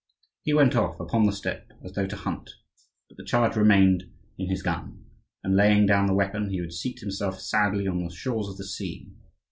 He went off upon the steppe as though to hunt; but the charge remained in his gun, and, laying down the weapon, he would seat himself sadly on the shores of the sea.